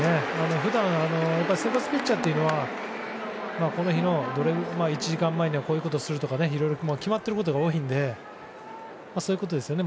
普段、先発ピッチャーというのは登板の１時間前にはこういうことするとか決まっていることが多いのでそういうことですよね？